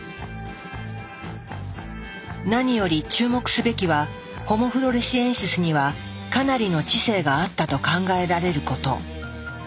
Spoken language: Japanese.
何より注目すべきはホモ・フロレシエンシスにはかなりの知性があったと考えられること。